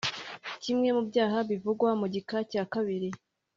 kimwe mu byaha bivugwa mu gika cya kabiri